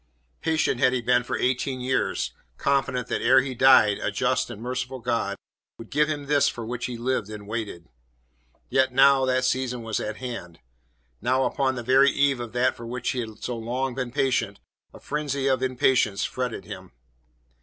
Patient had he been for eighteen years, confident that ere he died, a just and merciful God would give him this for which he lived and waited. Yet now that the season was at hand; now upon the very eve of that for which he had so long been patient, a frenzy of impatience fretted him.